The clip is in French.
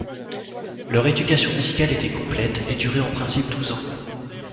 Leur éducation musicale était complète et durait en principe douze ans.